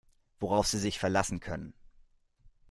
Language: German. Worauf Sie sich verlassen können.